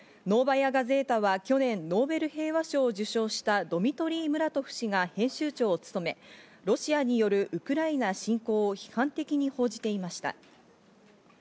ノーバヤ・ガゼータは去年ノーベル平和賞を受賞したドミトリー・ムラトフ氏が編集長を務め、ロシアによるウクライナ侵攻を批判的に報じていました。